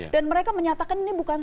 dan mereka menyatakan ini bukan